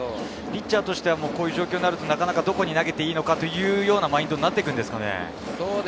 ピッチャーとしてはこういう状況になると、どこに投げていいのかというマインドになるんですか？